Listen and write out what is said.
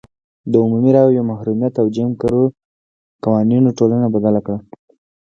د عمومي رایو محرومیت او جیم کرو قوانینو ټولنه بدله کړه.